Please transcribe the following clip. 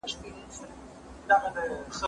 زه کولای سم منډه ووهم؟!